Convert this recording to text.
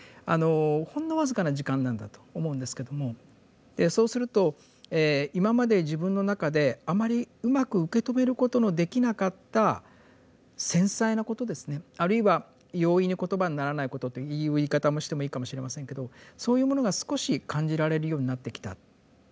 あのほんの僅かな時間なんだと思うんですけどもそうすると今まで自分の中であまりうまく受け止めることのできなかった繊細なことですねあるいは容易に言葉にならないことという言い方をしてもいいかもしれませんけどそういうものが少し感じられるようになってきた。